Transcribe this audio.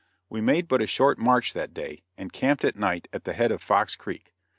We made but a short march that day, and camped at night at the head of Fox Creek.